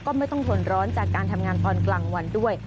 ก็ไม่ต้องทนร้อนจากการทำงานตอนกลางวันด้วย